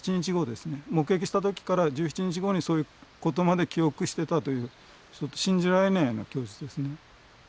目撃した時から１７日後にそういうことまで記憶してたというちょっと信じられないような供述ですね。